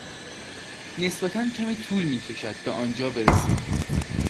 نسبتا کمی طول می کشد به آنجا برسید.